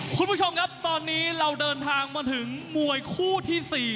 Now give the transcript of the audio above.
คุณผู้ชมครับตอนนี้เราเดินทางมาถึงมวยคู่ที่๔